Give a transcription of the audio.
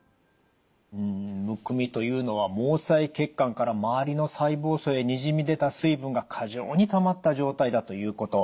むくみというのは毛細血管から周りの細胞層へにじみ出た水分が過剰にたまった状態だということ。